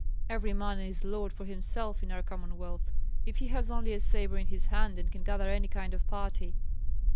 Every man is lord for himself in our Commonwealth, if he has only a sabre in his hand and can gather any kind of party.